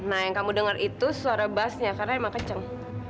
nah yang kamu dengar itu suara basnya karena emang keceng